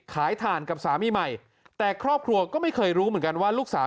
ถ่านกับสามีใหม่แต่ครอบครัวก็ไม่เคยรู้เหมือนกันว่าลูกสาว